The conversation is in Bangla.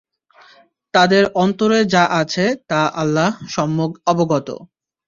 তাদের অন্তরে যা আছে তা আল্লাহ সম্যক অবগত।